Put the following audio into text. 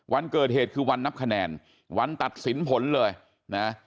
วันเกิดเหตุคือวันนับคะแนนวันตัดสินผลเลยนะ